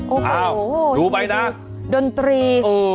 โอ้โฮดูไปนะมีที่ดนตรี